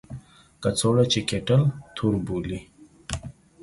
کڅوړه چې کیټل تور بولي.